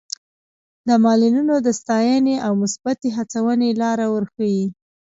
د معلولینو د ستاینې او مثبتې هڅونې لاره ورښيي.